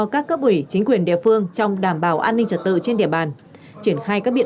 các cấp ủy chính quyền địa phương trong đảm bảo an ninh trật tự trên địa bàn triển khai các biện